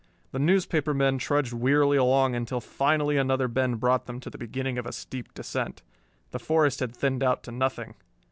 The newspaper men trudged wearily along until finally another bend brought them to the beginning of a steep descent. The forest had thinned out to nothing.